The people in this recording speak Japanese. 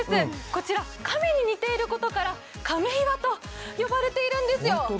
こちら亀に似ていることから亀岩と呼ばれているんですよ。